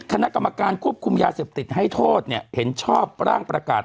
คณะกรรมการควบคุมยาเสพติดให้โทษเนี่ยเห็นชอบร่างประกาศ